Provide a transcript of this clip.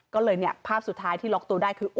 ก็เลยเนี่ยภาพสุดท้ายที่ล็อกตัวได้คือ